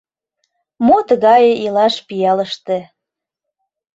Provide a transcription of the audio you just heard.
«Мо тыгае илаш пиалыште?..»